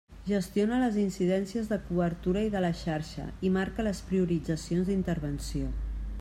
Gestiona les incidències de cobertura i de la xarxa i marca les prioritzacions d'intervenció.